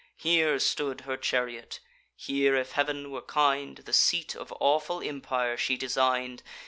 Here stood her chariot; here, if Heav'n were kind, The seat of awful empire she design'd.